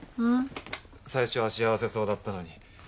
最初は幸せそうだったのに。